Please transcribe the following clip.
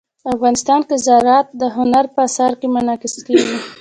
افغانستان کې زراعت د هنر په اثار کې منعکس کېږي.